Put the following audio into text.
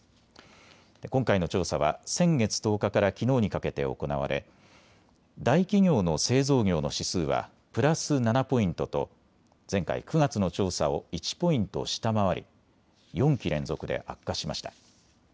今回の調査は先月１０日からきのうにかけて行われ大企業の製造業の指数はプラス７ポイントと前回９月の調査を１ポイント下回り４期連続で悪化しました。